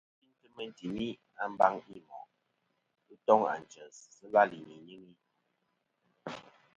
Nyamsɨ nɨ̂n chintɨ meyn timi a mbaŋi i moʼ. Ghɨ toŋ ànchès, sɨ làlì nɨ̀ ìnyɨŋi.